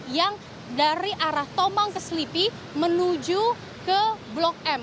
yang dari arah tomang ke selipi menuju ke blok m